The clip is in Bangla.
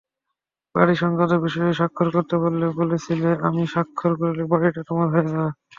বাড়ি-সংক্রান্ত বিষয়ে স্বাক্ষর করতে বললে, বলেছিলে আমি সাক্ষর করলেই বাড়িটা তোমার হয়ে যাবে।